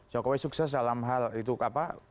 jokowi sukses dalam hal itu apa